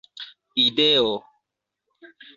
ideo